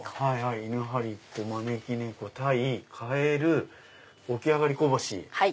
犬張り子招き猫鯛カエル起き上がりこぼし。